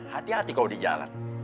hati hati kalau di jalan